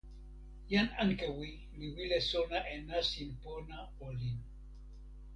jan Ankewi li wile sona e nasin pona olin.